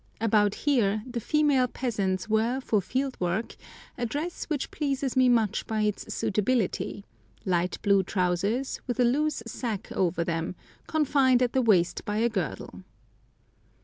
About here the female peasants wear for field work a dress which pleases me much by its suitability—light blue trousers, with a loose sack over them, confined at the waist by a girdle.